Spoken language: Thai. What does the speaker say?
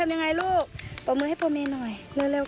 โอ้โหใช่แล้ว